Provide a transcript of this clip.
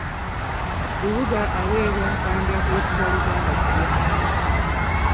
Lubuga aweebwa akambe akayitibwa lugandakulya.